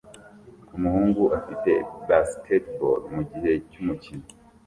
Umuhungu afite basketball mugihe cy'umukino